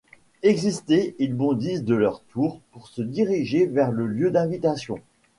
Excités, ils bondissent de leur tour pour se diriger vers le lieu d'invitation.